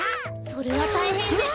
それはたいへんでし。